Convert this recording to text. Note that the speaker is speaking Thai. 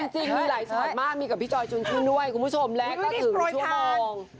จริงมีหลายช็อตมากมีกับพี่จอยจุนชื่นด้วยคุณผู้ชมและก็ถึงชั่วโมง